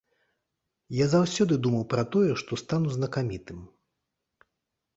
Я заўсёды думаў пра тое, што стану знакамітым.